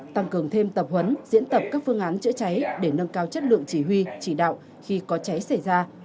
tăng cường thêm tập huấn diễn tập các phương án chữa cháy để nâng cao chất lượng chỉ huy chỉ đạo khi có cháy xảy ra